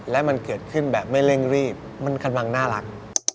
และมันเกิดขึ้นแบบไม่เร่งรีบมันกำลังน่ารัก